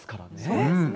そうですね。